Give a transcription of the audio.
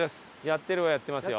やってる。